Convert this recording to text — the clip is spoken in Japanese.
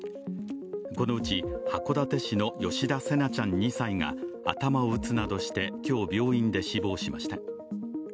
このうち、函館市の吉田成那ちゃん２歳が頭を打つなどして今日、病院で死亡しました。